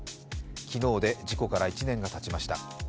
昨日で事故から１年がたちました。